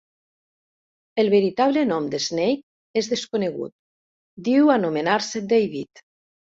El veritable nom de Snake és desconegut, diu anomenar-se David.